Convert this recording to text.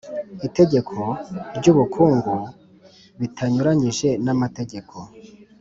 Itegeko ry’ubukungu bitanyuranije n’amategeko